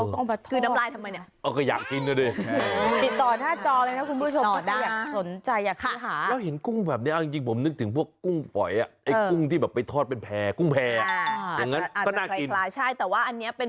คือน้ำลายทำไมเนี่ย